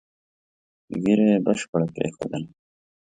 ږیره یې بشپړه پرېښودله.